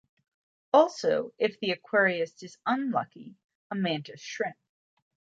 Also, if the aquarist is unlucky, a mantis shrimp.